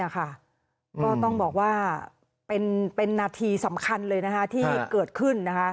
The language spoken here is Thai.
ก็ต้องบอกว่าเป็นนาทีสำคัญเลยที่เกิดขึ้น